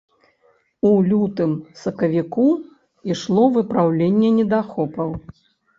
У лютым-сакавіку ішло выпраўленне недахопаў.